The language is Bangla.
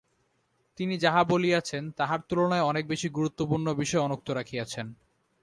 তিনি যাহা বলিয়াছেন, তাহার তুলনায় অনেক বেশী গুরুত্বপূর্ণ বিষয় অনুক্ত রাখিয়াছেন।